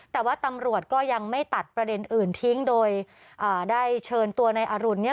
แต่ว่าตำรวจก็ยังไม่ตัดประเด็นอื่นทิ้งโดยอ่าได้เชิญตัวในอรุณเนี่ย